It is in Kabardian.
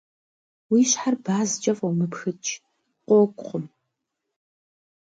Уи щхьэр базкӏэ фӏумыпхыкӏ, къокӏукъым.